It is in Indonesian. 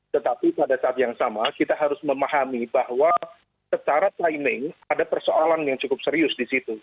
tetapi pada saat yang sama kita harus memahami bahwa secara timing ada persoalan yang cukup serius di situ